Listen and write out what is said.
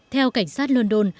theo cảnh sát london